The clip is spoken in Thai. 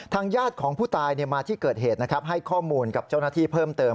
ทางญาติของผู้ตายมาที่เกิดเหตุให้ข้อมูลกับเจ้านัตรธีเพิ่มเติม